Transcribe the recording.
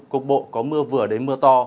cục bộ có mưa vừa đến mưa to